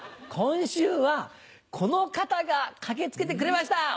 今週はこの方が駆け付けてくれました。